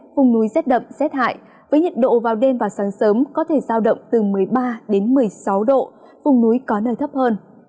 vùng núi rét đậm rét hại với nhiệt độ vào đêm và sáng sớm có thể giao động từ một mươi ba đến một mươi sáu độ vùng núi có nơi thấp hơn